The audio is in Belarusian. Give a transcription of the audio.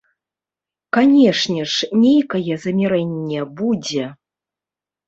Канечне ж, нейкае замірэнне будзе.